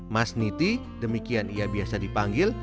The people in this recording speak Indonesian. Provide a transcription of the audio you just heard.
mas niti demikian ia biasa dipanggil